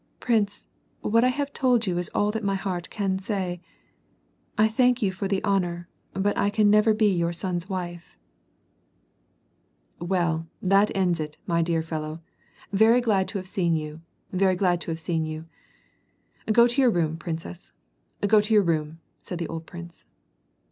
"* "Prince, what I have told you is all that my heart can say. I thank you for the honor, but I can never be your son's wife." " Well, that ends it, my dear fellow. Very glad to have seen you. Very glad to have seen you. Go to your room, prin cess, go to your room," said the old prince.